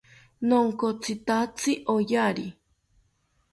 Nonkotzitatzi oyari